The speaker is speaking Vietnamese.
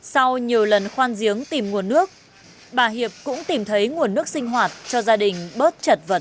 sau nhiều lần khoan giếng tìm nguồn nước bà hiệp cũng tìm thấy nguồn nước sinh hoạt cho gia đình bớt trật vật